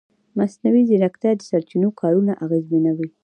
مصنوعي ځیرکتیا د سرچینو کارونه اغېزمنوي.